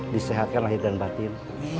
disehatkan lahir dan batin